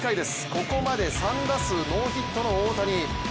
ここまで３打数ノーヒットの大谷。